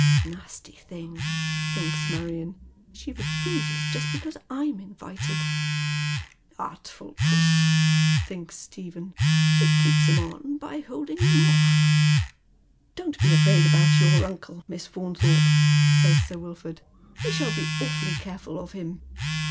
" Nasty thing," thinks Marion, *' she refuses just because I'm invited." "Artful puBS," thinks Stephen, "she keeps him on by holding him off." " Don't be afraid about your uncle, Miss Faunthorpe," Bays Sir Wilford, "we shall be awfully careful of him."